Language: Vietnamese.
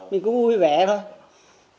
mình cũng vui vẻ thôi